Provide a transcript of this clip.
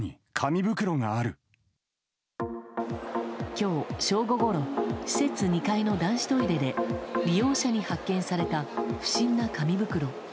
今日正午ごろ施設２階の男子トイレで利用者に発見された不審な紙袋。